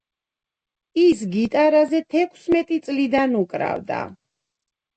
ის გიტარაზე თექვსმეტი წლიდან უკრავდა.